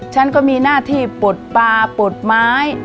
ฉันก็มีหน้าที่ปลดปลาปลดไม้